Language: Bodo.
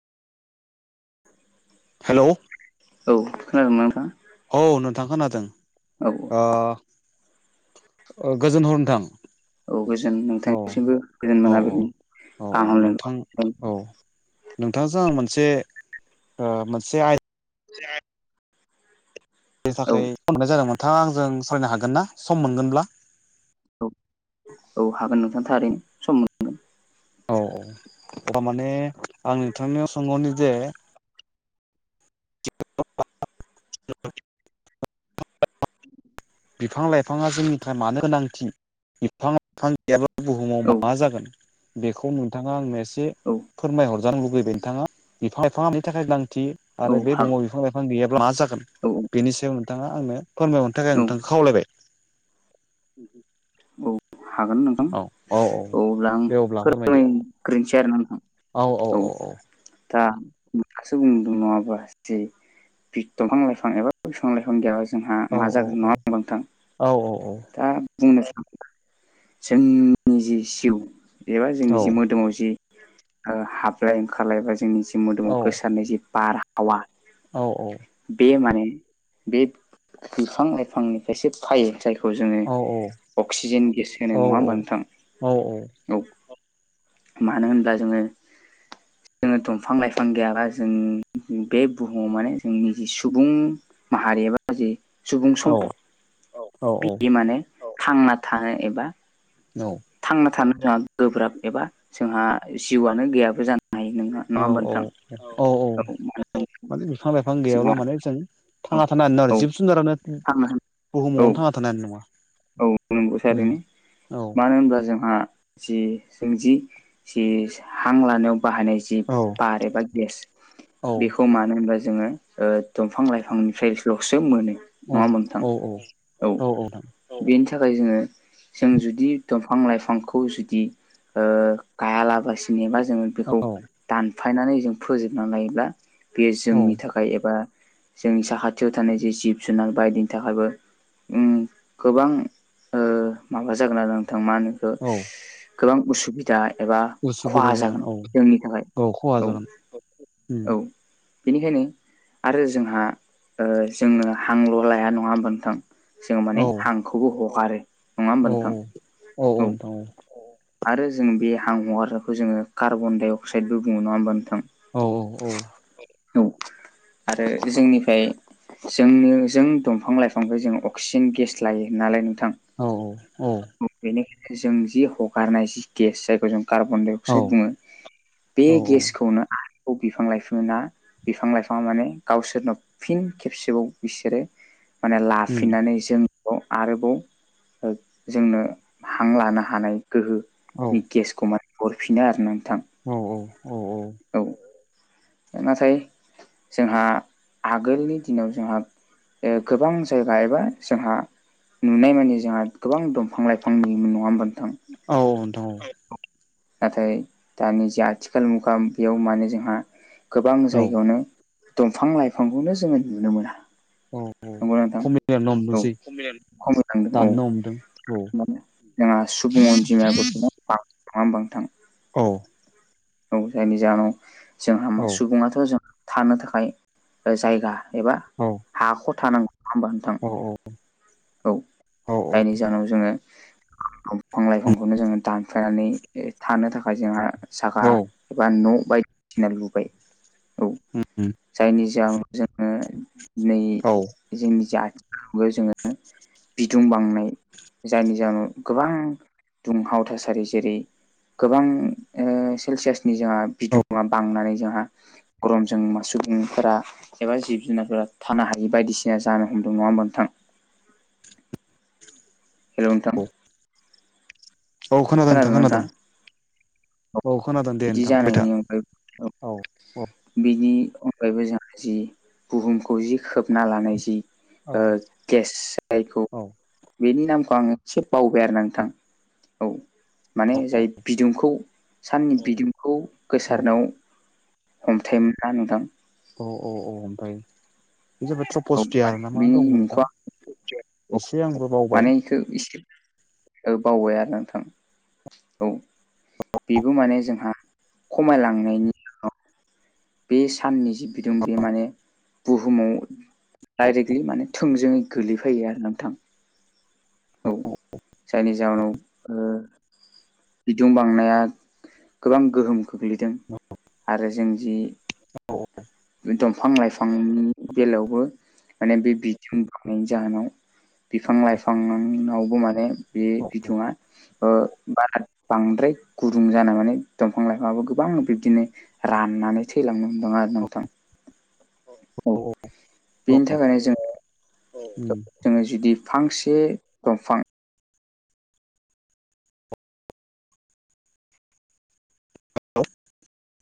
[inaudible] हेल' औ खोनादोंमोन नोंथां औ नोंथां खोनादों औ औ गोजोन हर नोंथां। औ गोजोन औ नोंथांनिसिमबो गोजोन औ औ मोनाबिलिनि औ गाहाम हामलायनाय बावहरनाय जाबाय। नों [unintelligible] बेनि औ थाखाय खल हरनाय जादों नोंथाङा आंजों सावरायनो हागोन ना सम मोनगोनब्ला। औ औ हागोन नोंथां थारैनो सम मोनगोन औ औ अब्ला माने आं नोंथांनियाव सोंहरनि जे [unintelligible] बिफां लाइफाङा जोंनिफ्राय मानो गोनांथि बिफां थांखियाबा बुहुमाव औ मा जागोन बेखौ नोंथाङा आंनो एसे औ। फोरमायहरजानो लुगैबाय नोंथाङा बिफां लाइफांनि थाखाय गोनांथि औ आरो बे हागोन बुहुमाव बिफां लाइफां गैयाब्ला मा जागोन औ बेनि सायाव नोंथाङा आंनो फोरमाय। औ दोंखौ खावलायबाय औ हागोन नों औ औ औ दे अब्ला फोरमायदो ग्रोनसै आरो ना नोंथां औ दा गासो बुंदों नङाबा ज बि दंफां लाइफां एबा बिफां लाइफां गैया। औ औ औ औ औ औ। दा बुंनो सानोदों जोंनि जि जिउ एबा जोंनि औ जि मोदोमाव जि हाबलाय ओंखारलाय बा जोंनि मोदोमाव औ गोसारनाय जि बारहावा औ औ बे माने बे बिफां लाइफांनिफ्रायसो फायो जाय खौ जोङो औ अक्सिजेन गेस होनाय नङा होमबा औ नोंथां औ। मानो होनब्ला जोङो। [inaudible] जोङो दंफां लाइफां गैयाब्ला जों बे बुहुमाव माने जोंनि जि सुबुं माहारि एबा सुबुं सम्पद औ औ बे माने थांना थानो एबा औ। थांना थानो जोंहा गोब्राब एबा जोंहा जिउआनो गैयाबो जानो हायो नोङो औ औ औ औ औ माने बिफां लाइफां जोंहा गैयाब्ला माने जों थांना थानो न औ आरो औ जिब जुनारानो थांना बुहुमावनो औ थांना थानो हानाय नङा औ नंगौसै ओरैनो उम मानो होनब्ला जोंहा जि जों जि जि हां लानायाव बाहायनाय जि औ बार एबा गेस औ बेखौ मानो होनबा जोङो दंफां लाइफांनिफ्रायल'सो मोनो औ नङा होनबा नोंथां औ औ [unintelligible] बेनि थाखाय जोङो जों जुदि दंफां लाइफांखौ जुदि गायालाबासिनो एबा। जोङो बेखौ औ दानफायनानै जों फोजोबनानै लायोब्ला बे औ जोंनि थाखाय एबा जोंनि साखाथियाव थानाय जे जिब जुनार बायदिनि थाखायबो गोबां माबा जागोन आरो नोंथांमोनाखौ औ गोबां उसुबिदा दा एबा उसुबिदा खहा जागोन औ जोंनि थाखाय खहा औ जागोन उम औ। बेनिखायनो आरो जोंहा ओ जोंनो हांल' लाया नङा होनबा नोंथां। जोङो माने औ हांखौबो हगारो नङाओम्बा औ नोंथां औ नोंथां आरो जों बे हां हगारनायखौ जोङो कार्बन डाइ अक्साइद बुङो नङा होमबा नोंथां। औ औ औ। औ आरो जोंनिफ्राय जोंनो जों दंफां लाइफांखौ जों अक्सिजेन गेस मिस्लायो नालाय नोंथां। औ औ औ। बेनिखायनो जों जि हगारनाय जि गेस जायखौ जों कार्बन डाइ औ अक्साइद बुङो। बे औ गेसखौनो आरोबाव बिफां लाइफाङा बिफां लाइफाङा माने गावसोरनो फिन खेबसेबाव बिसोरो माने उम लाफिननानै जों। आरोबाव जोंनो हां लानो हानाय औ गोहोनि गेसखौ माने हरफिनो आरो नोंथां। औ औ औ औ। नाथाय जोंहा आगोलनि दिनाव जोंहा गोबां जायगा एबा जोंहा नुनाय मानानि जोंहा गोबां दंफां लाइफां नङा होनोमबथां औ। नाथाय दानि जे आथिखाल मुगा बेयाव माने जोंहा गोबां औ जायगायावनो दंफां लाइफांखौनो जोङो नुनो मोना। औ। नंगौना खमायलांनो नोंथां औ हमदोंसै खमिलांदों औ दाननो हमदों औ माने जोंहा सुबुं अनजिमायाबो गोबां बांदों नङाहोमबा नोंथां। औ। औ जायनि जाहोनाव जोंहा औ सुबुङाथ' जों थानो थाखाय जायगा एबा औ। हा खथा नांगौ नङा हमबा नोंथां। औ औ। औ औ जायनि जाहोनाव जोङो दंफां औ लाइफांखौनो जोङो दानफायनानै थानो थाखाय जोंहा साखा औ एबा न' बायदिसिना लुबाय औ जायनि जाहोनाव जोङो दिनै औ जोंनि जाथियावबो जोङो बिदुं बांनाय जायनि जाहोनाव गोबां दुंहाव थासारि जेरै गोबां सेलसियासनि जोंहा औ बिदुङा बांनानै जोंहा गर'मजों मा सुबुंफोरा एबा जिब जुनारफोरा थानो हायि बायदिसिना जानो हमदों नङा होमबा नोंथां हेल' नोंथां औ खोनादों नोंथां खोनादों औ खोनादों दे बिदि नोंथां बुंबाय था जानायनि अगायै औ औ बिनि अनगायैबो जोंहा जि बुहुमखौ जि खोबना लानाय जि औ गेस जायखौ औ बेनि नामखौ आं एसे बावबाय आरो ना नोंथां औ माने जाय बिदुंखौ साननि बिदुंखौ औ गोसारनायाव हमथायोमोना नोंथां औ औ औ ओमफ्राय बे जाबाय ट्रपसफियार ना मा दंमोन नोंथां एसे आंबो बावबाय [unintelligible] ओ बावबाय आरोना नोंथां औ बेबो माने जोंहा खमायलांनायनि उनाव बे साननि जि बिदुं बे माने बुहुमाव डाइरेक्टलि माने थोंजोङै गोलैफैयो आरोना नोंथां औ जायनि जाहोनाव बिदुं बांनाया गोबां गोहोम खोख्लैदों आरो जों जि औ दंफां लाइफांनि बेलायावबो माने बे बिदुं दुंनायनि जाहोनाव बिफां लाइफाङावबो माने बे औ बिदुङा बारा बांद्राय गुुदुं जाना माने दंफां लाइफाङाबो गोबां बिब्दिनो राननानै थैलांनो हमदों आरोना नोंथां औ बेनि थाखायनो जों उम जोङो जुदि फांसे दंफां